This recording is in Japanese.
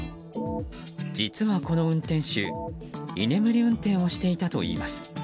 実は、この運転手居眠り運転をしていたといいます。